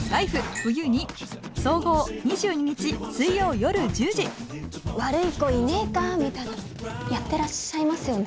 冬．２」総合２２日水曜夜１０時「悪い子いねぇか」みたいなのやってらっしゃいますよね？